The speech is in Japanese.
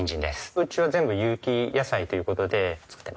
うちは全部有機野菜という事で作ってます。